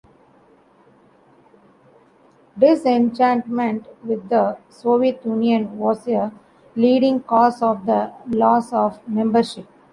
Disenchantment with the Soviet Union was a leading cause of the loss of membership.